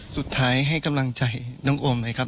สุดท้ายให้กำลังใจน้องอมหน่อยครับ